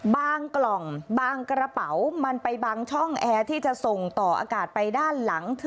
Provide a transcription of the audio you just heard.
กล่องบางกระเป๋ามันไปบางช่องแอร์ที่จะส่งต่ออากาศไปด้านหลังเธอ